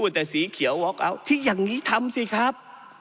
ที่อย่างงี้ทำสิครับ